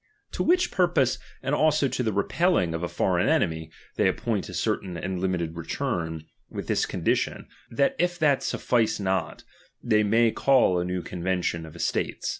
To ^^M which purpose, and also to the repeUiug of a ^^H foreign enemy, they appoint a certain and limited ^^M return, with this condition, that if that sufhce not, ^^M they may call a new convention of estates.